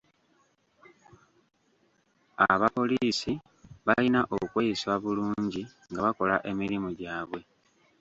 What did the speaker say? Abapoliisi balina okweyisa bulungi nga bakola emirimu gyabwe.